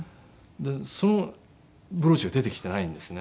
そのブローチが出てきてないんですね。